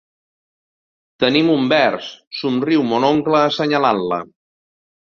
Tenim un vers, somriu mon oncle assenyalant-la.